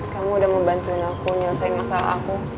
kamu sudah membantu aku menyelesaikan masalah aku